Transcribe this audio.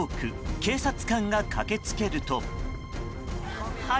警察官が駆けつけると。